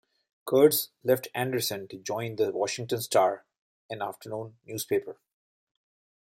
Kurtz left Anderson to join the "Washington Star", an afternoon newspaper.